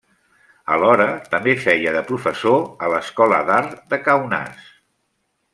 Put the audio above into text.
Alhora també feia de professor a l'Escola d'Art de Kaunas.